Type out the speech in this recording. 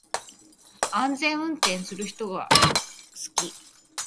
安全運転する人が好き